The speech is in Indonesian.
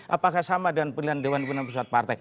apakah sama dengan pilihan dewan pimpinan pusat partai